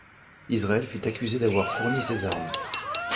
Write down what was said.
Israël fut accusé d'avoir fourni ces armes.